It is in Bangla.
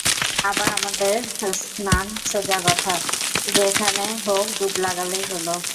আবার আমাদের স্নান সোজা কথা, যেখানে হোক ডুব লাগালেই হল।